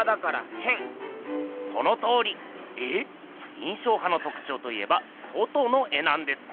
印象派のとくちょうといえば外の絵なんです。